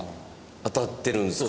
当たってるんですか？